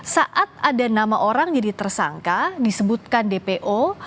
saat ada nama orang jadi tersangka disebutkan dpo